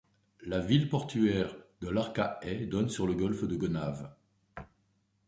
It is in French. La ville portuaire de l'Arcahaie donne sur le golfe de la Gonâve.